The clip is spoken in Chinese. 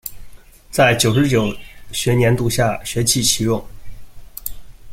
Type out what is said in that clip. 在九十九学年度下学期启用。